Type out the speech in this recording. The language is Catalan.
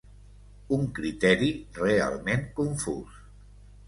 Un criteri realment confús.